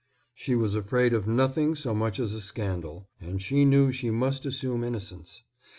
She was afraid of nothing so much as a scandal, and she knew she must assume innocence.